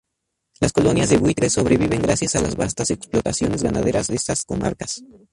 Las colonias de buitres sobreviven gracias a las vastas explotaciones ganaderas de estas comarcas.